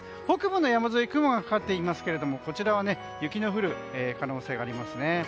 北部の山沿い雲がかかっていますが雪の降る可能性があります。